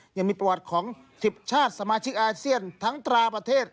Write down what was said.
ยังมีประวัติของ๑๐ชาติสมาชิกอาเซียนทั้งตราประเทศ